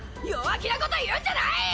弱気なこと言うんじゃない！